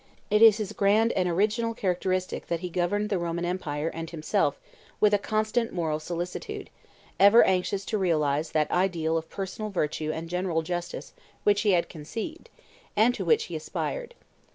It is his grand and original characteristic that he governed the Roman empire and himself with a constant moral solicitude, ever anxious to realize that ideal of personal virtue and general justice which he had conceived, and to which he aspired.